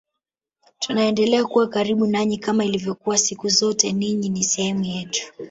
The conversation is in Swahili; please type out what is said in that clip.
Tunaendelea kuwa karibu nanyi kama ilivyokuwa siku zote ninyi ni sehemu yetu